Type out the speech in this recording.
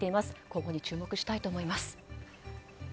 今後に注目したいと思います。